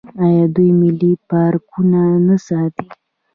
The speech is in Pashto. آیا دوی ملي پارکونه نه ساتي؟